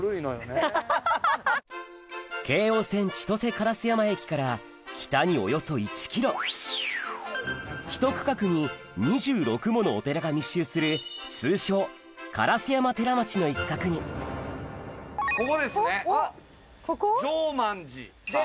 京王線千歳烏山駅から北におよそ１ｋｍひと区画に２６ものお寺が密集する通称烏山寺町の一角にここですね乗満寺さん。